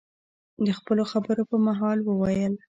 د خپلو خبرو په مهال، وویل: